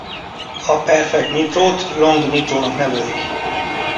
A perfect nitro-t long nitro-nak nevezik.